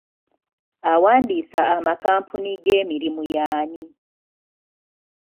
Awandiisa amakampuni g'emirimu y'ani?